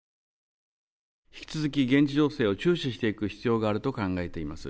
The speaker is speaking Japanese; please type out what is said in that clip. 引き続き、現地情勢を注視していく必要があると考えています。